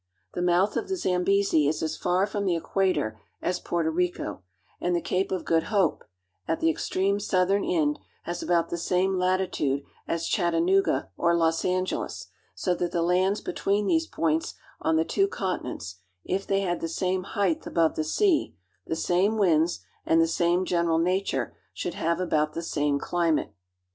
The mouth of the Zambezi is as far from the equator as Porto Rico ; and the Cape of Good Hope, at the extreme southern end, has about the same latitude as Chattanooga or Los Angeles, so that the lands between these points on the two continents, if they had the same height above the sea, the same winds, and the same general nature, should have about the same climate.